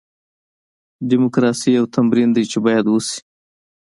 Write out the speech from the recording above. ډیموکراسي یو تمرین دی چې باید وشي.